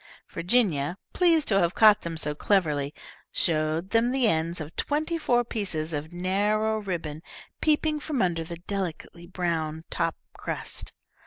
Virginia, pleased to have caught them so cleverly, showed them the ends of twenty four pieces of narrow ribbon, peeping from under the delicately brown top crust.